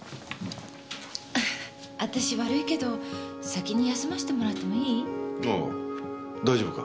私悪いけど先に休ませてもらってもいい？ああ大丈夫か？